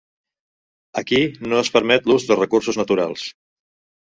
Aquí no es permet l'ús de recursos naturals.